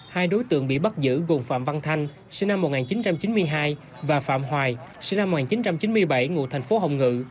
hai đối tượng bị bắt giữ gồm phạm văn thanh sinh năm một nghìn chín trăm chín mươi hai và phạm hoài sinh năm một nghìn chín trăm chín mươi bảy ngụ thành phố hồng ngự